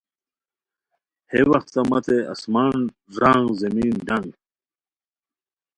ہے وختہ متے آسمان ݱانگ زمین ڈانگ